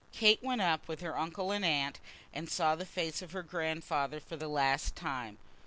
Kate went up with her uncle and aunt, and saw the face of her grandfather for the last time.